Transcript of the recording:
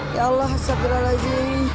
ya allah sabar lagi